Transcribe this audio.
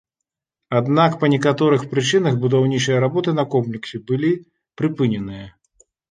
Аднак па некаторых прычынах будаўнічыя работы на комплексе былі прыпыненыя.